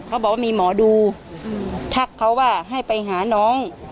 เขาบอกว่ามีหมอดูทักเขาว่าให้ไปหาน้อง